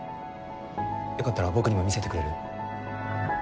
よかったら僕にも見せてくれる？